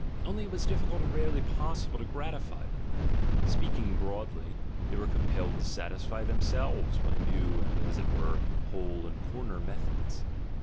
Only it was dif ficult and rarely possible to gratify them: speaking broadly, they were compelled to satisfy themselves by new and, as it were, hole and corner methods.